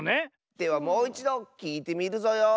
ではもういちどきいてみるぞよ。